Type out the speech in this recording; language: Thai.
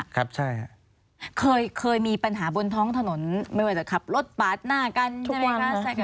เคยมีปัญหาบนท้องถนนไม่ว่าจะขับรถปาดหน้ากันใช่ไหมคะ